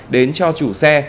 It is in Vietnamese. đến cho chủ xe